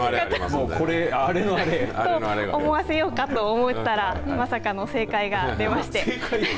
アレのアレ。と、思わせようかと思ったらまさかの正解が出まして。